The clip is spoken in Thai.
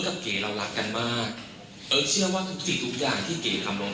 แต่เขาไม่คุด